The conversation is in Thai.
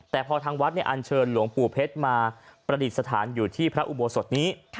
แต่พอทางวัดอันเชิญหลวงปู่เพชรมาประดิษฐานอยู่ที่พระอุโบสถนี้